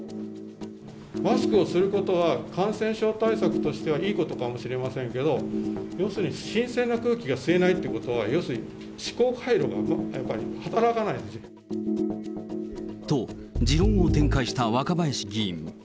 マスクをすることは、感染症対策としてはいいことかもしれませんけど、要するに新鮮な空気が吸えないということは、要するに思考回路がと、持論を展開した若林議員。